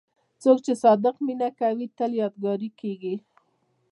څوک چې صادق مینه کوي، تل یادګاري کېږي.